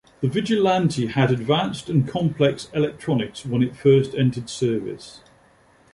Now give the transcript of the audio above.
The Vigilante had advanced and complex electronics when it first entered service.